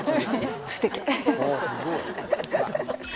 すてき。